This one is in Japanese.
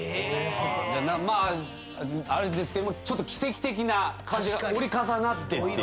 まああれですけどもちょっと奇跡的な感じが折り重なってっていう。